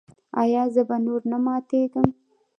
ایا زه به نور نه ماتیږم؟